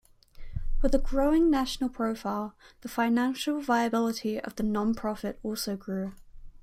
With a growing national profile, the financial viability of the non-profit also grew.